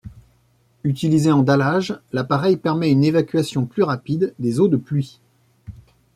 Utilisé en dallage, l’appareil permet une évacuation plus rapide des eaux de pluie.